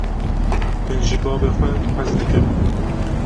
Min ji bavê xwe hez dikir.